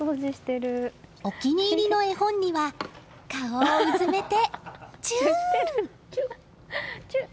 お気に入りの絵本には顔をうずめて、チュー！